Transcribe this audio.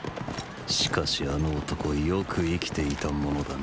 しかしあの男よく生きていたものだな。